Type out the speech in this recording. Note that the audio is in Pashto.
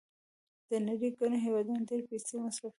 د نړۍ ګڼو هېوادونو ډېرې پیسې مصرفولې.